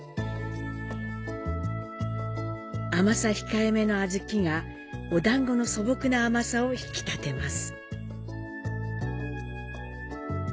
甘さ控えめの小豆がお団子の素朴な甘さを引き立てます。